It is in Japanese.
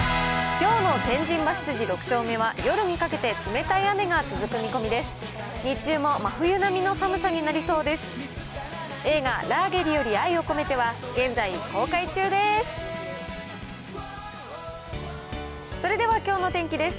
きょうの天神橋筋６丁目は、夜にかけて冷たい雨が続く見込みです。